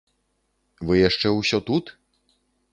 Вы яшчэ ўсё тут?